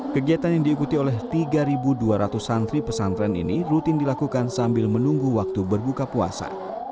kegiatan yang diikuti oleh tiga dua ratus santri pesantren ini rutin dilakukan sambil menunggu waktu berbuka puasa